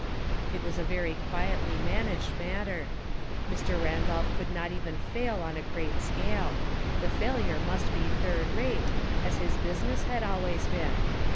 It was a very quietly managed mat ter. Mr. Randolph could not even fail on a great scale ; the failure must be third rate, as his business had always been.